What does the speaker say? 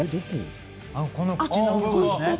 この口の部分ですね。